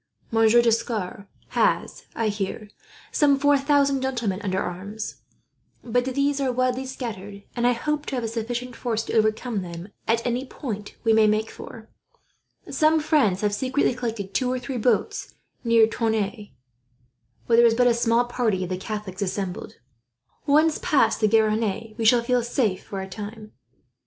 Monsieur D'Escars has, I hear, some four thousand gentlemen under arms; but these are widely scattered, and I hope to have a sufficient force to overcome them at any point we may make for. Some friends have secretly collected two or three boats near Tonneins, where there is but a small part of the Catholics assembled. Once past the Garonne, we shall feel safe for a time."